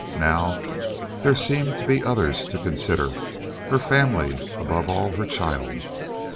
Now, there seemed to be others to consider—her family, above all, her child.